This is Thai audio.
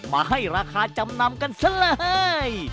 มาให้ราคาจำนำกันซะเลย